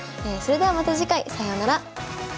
それではまた次回さようなら。